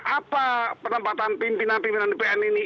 apa penempatan pimpinan pimpinan di pn ini